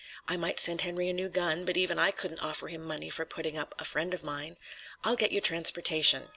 I might send Henry a new gun, but even I couldn't offer him money for putting up a friend of mine. I'll get you transportation.